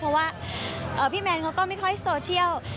เพราะว่าพี่แมนเขาก็ไม่ค่อยโซเชียล